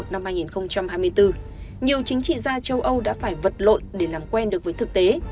năm hai nghìn hai mươi bốn nhiều chính trị gia châu âu đã phải vật lộn để làm quen được với thực tế